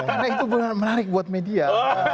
karena itu menarik buat media